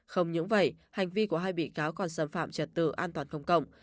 không những vậy hành vi của hai bị cáo còn xâm phạm trật tự an toàn công cộng